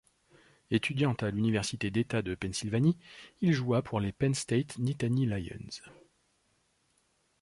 Étudiant à l'Université d'État de Pennsylvanie, il joua pour les Penn State Nittany Lions.